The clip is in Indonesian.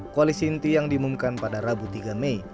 koalisi inti yang diumumkan pada rabu tiga mei